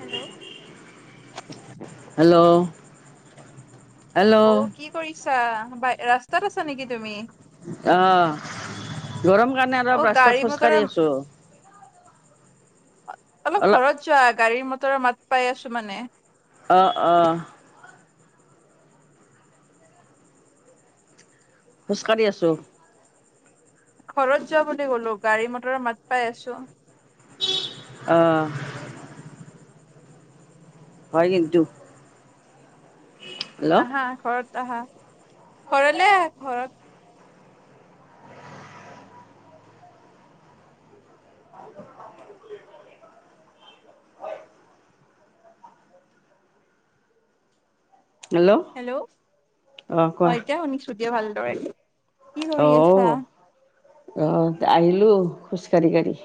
Hello hello, hello অ, কি কৰিছা? বা, ৰাস্তাত আছা নেকি তুমি? অ, গৰম কাৰণে অলপ অ ৰাস্তাত গাড়ী খোজকাঢ়ি আছোঁ। অ, অলপ ঘৰত যোৱা, গাড়ী-মটৰ মাত পাই আছোঁ মানে। অ, অহ, খোজ কাঢ়ি আছোঁ। ঘৰত যোৱা বুলি ক'লো, গাড়ী মটৰ মাত পাই আছোঁ। অ, হয়, কিন্তু। হেল্ল' আহা, ঘৰত আহা, ঘৰলে আহা ঘৰত [unintelligible] হেল্ল, অ, এতিয়া শুনিছোঁ দিয়া ভালদৰে। কি কৰি আছা অহ, আহিলোঁ খোজ কাঢ়ি, কাঢ়ি।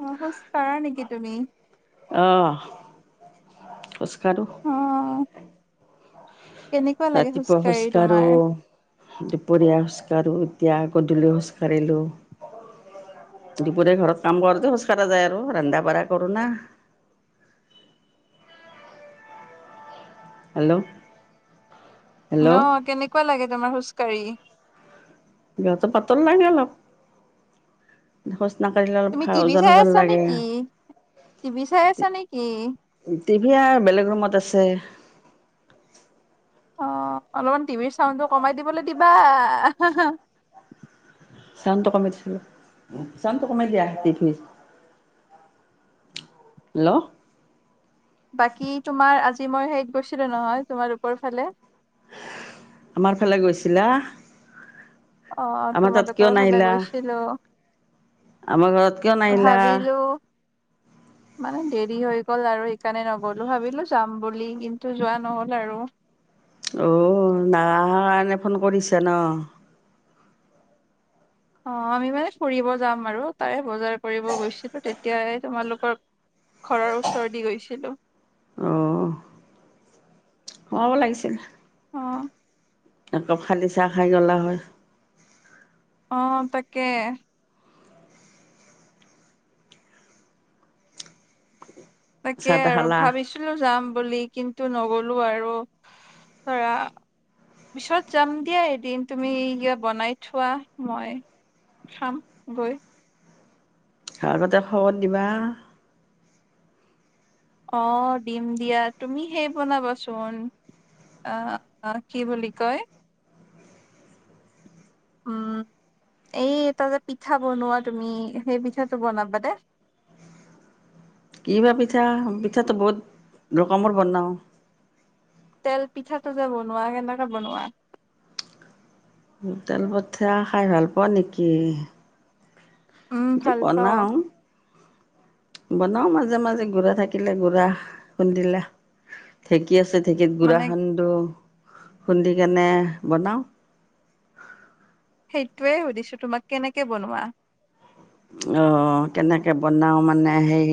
অ, খোজ কাঢ়া নেকি তুমি? অহ, খোজ কাঢ়োঁ। অ, কেনেকুৱা লাগে ৰাতিপুৱা খোজ খোজকাঢ়ি তোমাৰ কাঢ়োঁ। দুপৰীয়া খোজ কাঢ়োঁ, এতিয়া আকৌ গধূলি খোজ কাাঢ়িলোঁ। দুপৰীয়া ঘৰত কাম কৰোঁতে খোজ কাঢ়া যায় আৰু, ৰন্ধা-বঢ়া কৰোঁ না। হেল্ল, হেল্ল' অ-শ, কেনেকুৱা লাগে তোমাৰ খোজকাাঢ়ি? গাটো, পাতল লাগে অলপ। খোজ নাকাঢ়িলে, অলপ তুমি ভাল টিভি চাই ওজন-ওজন আছা লাগে। নেকি টিভি চাই তে আছা নেকি টিভি আৰু বেলেগ ৰুমত আছে। অ, অলপমান টিভিৰ চাউণ্ডটো কমাই দিবলৈ দিবা, আ, হা, হা, চাউণ্ডটো কমাই দেছোন অলপ, চাউণ্ডটো কমাই দিয়া টিভিৰ। হেল্ল, বাকী তোমাৰ, আজি মই হেৰিত গৈছিলো নহয়, তোমালোকৰ ফালে। আমাৰ ফালে গৈছিলা? অ, আমাৰ তাত কিয় তোমালোকৰ ফালে নাহিলা গৈছিলোঁ। আমাৰ ঘৰত কিয় নাহিলা? মানে দেৰি হৈ গ'ল আৰু। সেইকাৰণে নগলো। ভাবিলো যাম বুলি, কিন্তু যোৱা নহ'ল আৰু। অ, নাৰাখা কাৰণে ফোন কৰিছে ন। অ, আমি মানে ফুৰিব যাম আৰু, তাৰে বজাৰ কৰিব গৈছিলোঁ। তেতিয়াই তোমালোকৰ ঘৰৰ ওচৰেদি গৈছিলোঁ। অ, সুমাব লাগিছিল। অ, একাপ খালি চাহ খাই গ'লা হৈ। অ, তাকে। তাকে চাহ তাহ আৰু খালা ভাবিছিলো যাম বুলি, কিন্তু নগলো আৰু ধৰা। পিছত যাম দিয়া এদিন, তুমি যে বনাই থোৱা, মই খাম গৈ। আগতে খবৰ দিবা? অদিম দিয়া। তুমি হে বনাবাচোন! অ, অ কি বুলি কয়? উম এইটা যে পিঠা বনোৱা তুমি সেই পিঠাটো বনাবা দে কি বা পিঠা পিঠাটো বহুত ৰকমৰ বনাওঁ। তেল পিঠাটো যে বনোৱা কেনেকে বনোৱা? হো তেল পিঠা খাই ভাল পোৱা নেকি? উম ভাল পাও [unintelligible] বনাও মাজে মাজে গুড়া থাকিলে গুড়া খুন্দিলে। ঢেঁকী আছে ঢেঁকীত গুড়া মানে খানদো। খুন্দি কেনে বনাও। সেইটোয়ে সুধিছো তোমাক কেনেকে বনোৱা? অ কেনেকে বনাও মানে সেই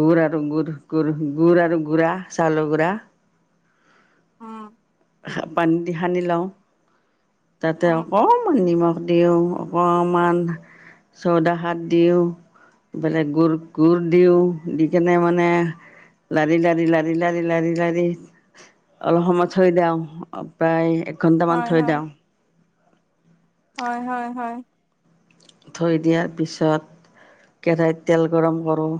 গুড় আৰু গুড় গুড় গু় আৰু গুড়া চাউলৰ গুড়া। উম [unintelligible] তাতে উম অকমান নিমখ দিওঁ, অকমান চৰ্দা হাত দিওঁ এইফেলে গুৰ গুৰ দিওঁ। দি কেনে মানে লাৰি লাৰি লাৰি লাৰি লাৰি লাৰি অলপ সময় থৈ দিওঁ। প্ৰায় এক ঘন্টামান হয় থৈ হয় দিওঁ। হয় হয় হয়। থৈ দিয়াৰ পিছত। কেৰাহীত তেল গৰম কৰোঁ।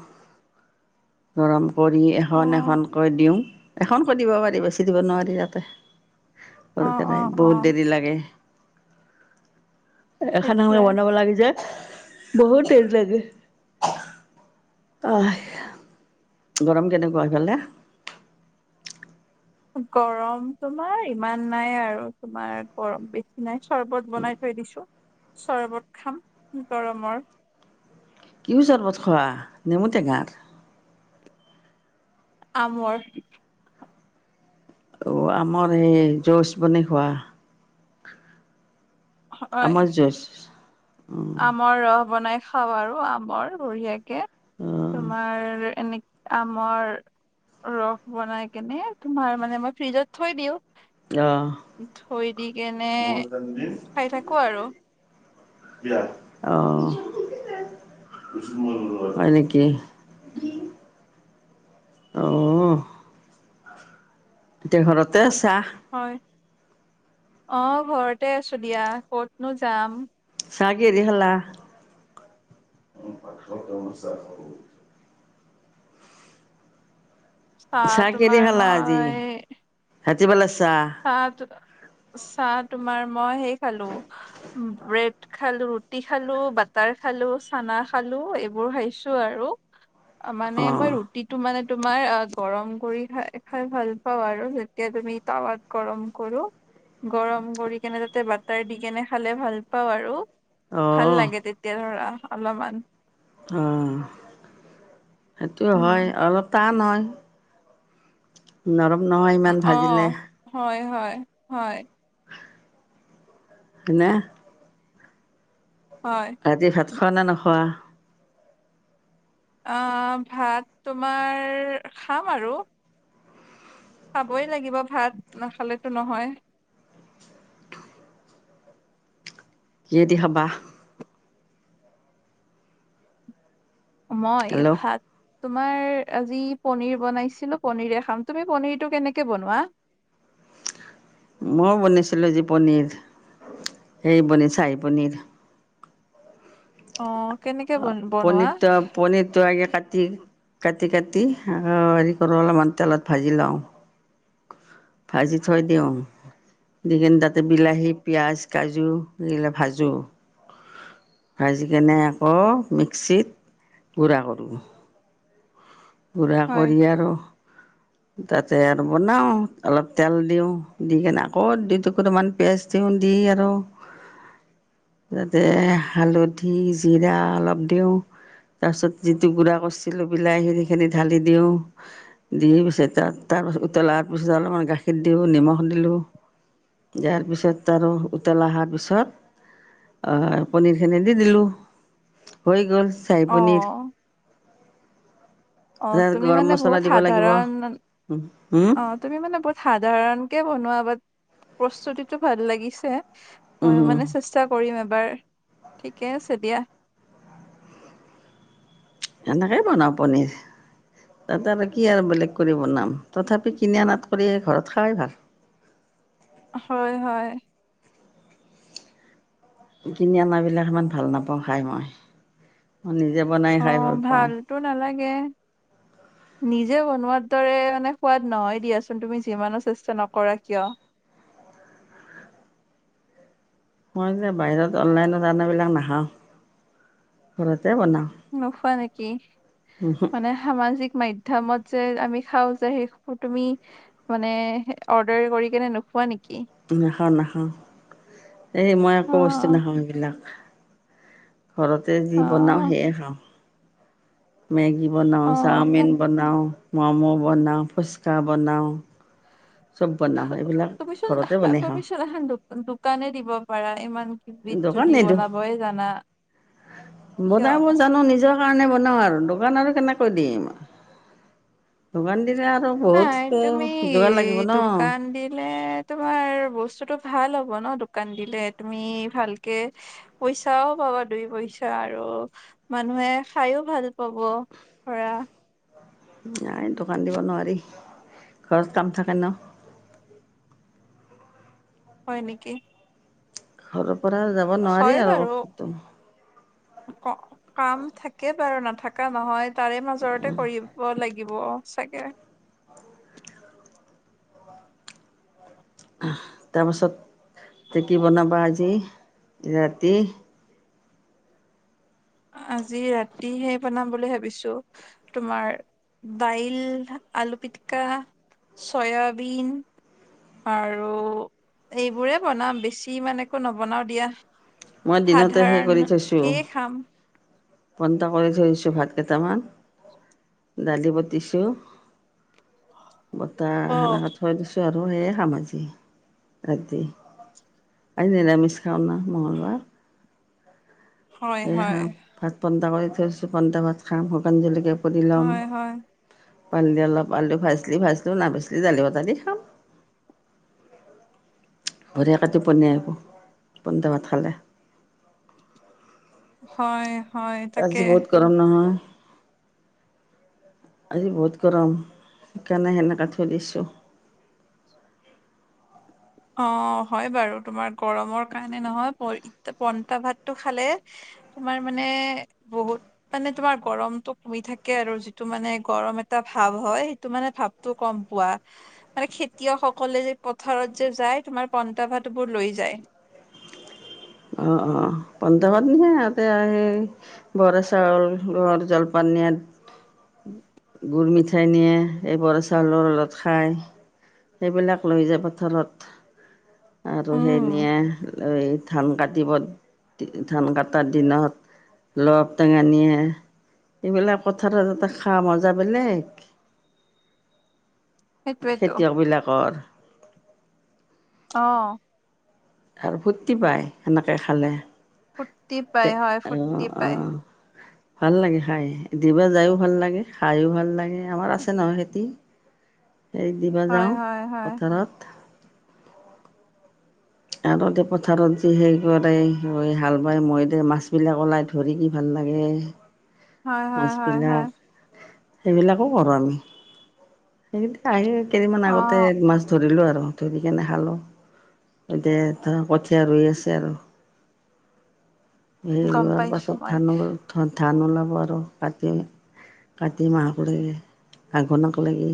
গৰম কৰি অ এখন এখনকৈ দিও। এখনকৈ দিব পাৰি বেছি দিব নোৱাৰি তাতে। অ সৰু অ কেৰাহীত অ বহুত দেৰি লাগে। এখ এখেন সেইটোৱে বনাব লাগে যে, বহুত তেল লাগে। অ গৰম কেনেকুৱা সেইফালে? গৰম তোমাৰ ইমান নাই আৰু তোমাৰ গৰম বেছি নাই। চৰ্বত বনাই থৈ দিছো, চৰবত খাম গৰমৰ। কিও চৰ্বত খোৱা নেমুটেঙাৰ? আমৰ। আমৰ সেই যুজ বোনাই খোৱা? হয় আমৰ যুজ? আমৰ ৰস বনাই খাওঁ আৰু আমৰ বঢ়িয়াকে, তোমাৰ এনে আমৰ ৰস বনাই কেনে তোমাৰ মানে মই ফ্ৰিজত থৈ দিওঁ। অঁ থৈ দি কেনে খাই থাকো আৰু। অহ হয় নেকি? অঁ এতিয়া ঘৰতে আছা? হয়। অ ঘৰতে আছো দিয়া ক'তনো যাম। চা কিহে দি খালা? চাহ কিহে দি তোমাৰ খালা আজি? মই ৰাতি ভালা চাহ আহ তো চাহ তোমাৰ মই সেই খালো। ব্ৰেড খালো, ৰুটি খালো, বাটাৰ খালো, চানা খালো এইবোৰ খাইছো আৰু। হয়। অ মানে মইয়ো। যিটো মানে তোমাৰ গৰম কৰি খাই খাই ভাল পাওঁ আৰু যেতিয়া তুমি তাৱাত- গৰম কৰো, গৰম কৰি কেনে তাতে বাটাৰ দি কেনে খালে ভাল পাওঁ আৰু। অঁ। ভাল লাগে তেতিয়া ধৰা অলপমান। উম সেইটো উম হয়, অলপ টান হয়। নৰম নহয় ইমান অ ভাজিলে। হয়, হয়, হয়। না। হয়। ৰাতি ভাত খোৱা নে নোখোৱা? অঁ ভাত তোমাৰ খাম আৰু। খাবই লাগিব ভাত নাখালেতো নহয়। কিহেদি খাবা? মই হেল্ল'? ভাত- তোমাৰ আজি পনীৰ বনাইছিলো পনীৰে খাম। তুমি পনীৰটো কেনেকে বনোৱা? মই বনিছিলোঁ যি পনীৰ সেই বনি চাৰি পনীৰ। অঁ কেনেকে- অঁ বন বনোৱা? পনীৰটা- পনীৰটো আগে কাটি কাটি কাটি হেৰি কৰোঁ অলপমান তেলত ভাজি লওঁ। ভাজি থৈ দিওঁ। দি কিনে তাতে বিলাহী, পিঁয়াজ, কাজু এইবিলাক ভাজোঁ। ভাজিকনে আকৌ মিক্সিত গুড়া কৰোঁ। গুড়া হয়। কৰি আৰু- তাতে আৰু বনাওঁ অলপ তেল দিওঁ দি কিনে আকৌ দুটুকুটামান পেষ্ট- দি আৰু- তাতে হালধি, জিৰা অলপ দিওঁ। তাৰ পিছত যিটো গুড়া কৰিছিলো বিলাহী সেই খিনি ঢালি দিওঁ। দি- তাত তাৰপাছত উতলাৰ পিছত অলপমান গাখীৰ দিওঁ, নিমখ দিলোঁ। যাৰ পিছত আৰু উতল অহাৰ পিছত- আহ পনীৰ খিনি দি দিলো, হৈ গ'ল চাই অ পনীৰ। অ তাৰ তুমি গৰম মানে মচলা বহুত দিব লাগিব সাধাৰণ হম। অ তুমি মানে বহুত সাধাৰণ কে বনোৱা বাত প্ৰস্তুতিটো ভাল লাগিছে। মইয়ো উম মানে চেষ্টা কৰিম এবাৰ, ঠিকে আছে দিয়া। এনেকেই বনাওঁ পনীৰ। তাতে আৰু কি আৰু বেলেগ কৰি বনাম তথাপি কিনি আনাত কৰি ঘৰত খোৱাই ভাল। হয়, হয়। কিনি অনাবিলাক ইমান ভাল নাপাওঁ খাই মই। মই নিজে বনাই- খাই অঁ ভাল পাওঁ। ভালতো নালাগে। নিজে বনোৱাৰ দৰে মানে সোৱাদ নহয় দিয়াচোন তুমি যিমানো চেষ্টা নকৰা কিয়। মই যে বাহিৰত অনলাইনত অনাবিলাক নাখাওঁ, ঘৰতে বনাওঁ। নোখোৱা নেকি উহু, মানে- সামাজিক মাধ্যমত যে আমি খাওঁ যে সেই তুমি- মানে অৰ্ডাৰ কৰি কেনে নোখোৱা নেকি নাখাওঁ নাখাওঁ এই মই একো বস্তু অ', নাখাওঁ এইবিলাক ঘৰতে যি বনাওঁ অ', সেয়ে খাওঁ মেগী বনাওঁ অ', চাওমিন বনাওঁ ম'ম' বনাওঁ ফুচকা বনাওঁ চব বনাওঁ এইবিলাক তুমিচোন ঘৰতে বনাই খাওঁ তুমিচোন এখন দোক দোকানে দিব পাৰা ইমান বিধ দোকান যদি নিদিওঁ বনাবই জানা কিয় বনাব জানো নিজৰ কাৰণে বনাওঁ আৰু দোকান আৰু কেনেকৈ দিম দোকান দিলে আৰু বহুত নাই তুমি যোগাৰ লাগিব ন দোকান দিলে তোমাৰ বস্তুটো ভাল হ'ব ন দোকান দিলে তুমি ভালকে পইচাও পাবা দুই পইচা আৰু মানুহে খাইও ভালপাব ধৰা। নাই দোকান দিব নোৱাৰি ঘৰত কাম থাকে ন। হয় নেকি ঘৰৰ পৰা যাব নোৱাৰি হয় আৰু বাৰু অ কাম থাকে বাৰু নাথাকা নহয়। তাৰে মাজৰতে কৰিব লাগিব চাগে তাৰপাছত কি বনাবা আজি ৰাতি আজি ৰাতি হেই বনাম বুলি ভাবিছোঁ তোমাৰ দাইল, আলু পিটিকা চয়াবিন আৰু এইবোৰে বনাম বেছি ইমান একো নবনাও দিয়া। মই দিনতে সেই কৰি থৈছোঁ সাধাৰণকে খাম। বন্ধ কৰি থৈ দিছো ভাতকেটামান। দালি বতিছো বতা অ' সেনেকা থৈ দিছো। আৰু সেয়ে খাম আজি ৰাতি। আজি নিৰামিষ খাওঁ ন মঙলবাৰ। হয় সেয়ে হয় খাম ভাত পন্তা কৰি থৈছো পন্তা ভাত খাম শুকান জলকীয়া পডি ল'ম। হয় হয় পানি দি অলপ আলু ভাজলি ভাজলো নাভাজিলো দালি ভাতে দি খাম। বঢ়িয়াকে টোপনি আহিব পন্তা ভাত খালে। হয়। হয় তাকে। আজি বহুত গৰম নহয় আজি বহুত গৰম সেইকাৰণে সেনেকা থৈ দিছোঁ। অ হয় বাৰু তোমাৰ গৰমৰ কাৰণে নহয় পন্তা ভাতটো খালে তোমাৰ মানে বহুত মানে তোমাৰ গৰমটো কমি থাকে আৰু যিটো মানে গৰম এটা ভাৱ হয় সেইটো মানে ভাৱ টো কম পোৱা মানে খেতিয়কসকলে যে পথাৰত যে যায় তোমাৰ পন্তা ভাতবোৰ লৈ যায়। অ অ পন্তা ভাত নিয়ে সিঁহতে আৰু সেই বৰাচাউল ঘৰত জলপান নিয়াত গুৰ মিঠাই নিয়ে এই বৰাচাউলৰ লগত খায়। সেইবিলাক লৈ যায় পথাৰত। আৰু সেই উম নিয়ে এই ধান কাটিব ধান কাট তাৰদিনত ৰবাব টেঙা নিয়ে। এইবিলাক পথাৰৰ তাতে খা মজা বেলেগ। সেইটোৱেতো খেতিয়ক বিলাকৰ। অঁ,। আৰু ফূৰ্তি পায় সেনেকে খালে। ফূৰ্তি পাই তে, হয় ফূৰ্তি অঁ পাই অঁ। ভাল লাগে খায়। দিবা যায়ো ভাল লাগে, খায়ো ভাল লাগে, আমাৰ আছে নহয়, খেতি! হেই দিব হয় যাওঁ, হয় হয় পথাৰত। আগতে পথাৰত যিহে [unintelligible] কৰে, হাল-বাই মৈদে মাছবিলাক ওলাই ধৰি কি, ভাল লাগে। হয় হয় হয় মাছবিলাক, হয় সেইবিলাকো কৰো আমি। সেইকেইটা আহি কেইদিনমান অ আগতে মাছ ধৰিলোঁ আৰু ধৰি কেনে খালোঁ, এতিয়া কঠীয়া ৰুই আছে আৰু। সেই গম ৰোৱাৰ পাইছো পাছত মই ধান হব ধান ওলাব আৰু। কাটি কাটি মাহকলেকে আঘোণক লাগি।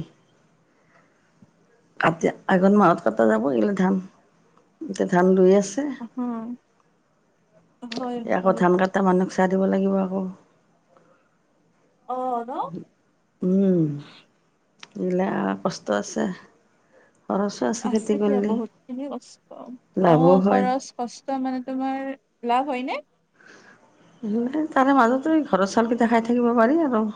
কাতি, আঘোন মাহত কটা যাব এইবিলাক ধান। এতিয়া ধান ৰুই আছে। অহ, হয়, হয়। তাৰ মানুহক চাহ দিব লাগিব, আকৌ। অ', ন! উম ইলাক কষ্ট আছে। খৰচো খেতি আছে দিয়া কৰিলে বহুত খিনি কষ্ট অ লাভো হয় খৰচ। কষ্ট মানে তোমাৰ লাভ হয় নে? তাৰে মাজতোই ঘৰৰ চাউল কেইটা খায় থাকিব পাৰি আৰু।